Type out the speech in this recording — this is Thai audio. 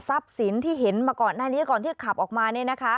สินที่เห็นมาก่อนหน้านี้ก่อนที่ขับออกมา